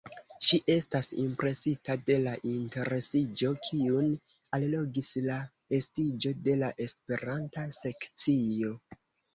Ŝi estas impresita de la interesiĝo, kiun allogis la estiĝo de la Esperanta sekcio.